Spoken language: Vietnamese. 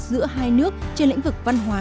giữa hai nước trên lĩnh vực văn hóa